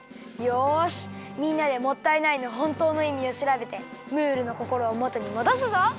よしみんなで「もったいない」のほんとうのいみをしらべてムールのこころをもとにもどすぞ！